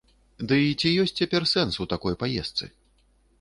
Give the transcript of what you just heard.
Дый ці ёсць цяпер сэнс у такой паездцы?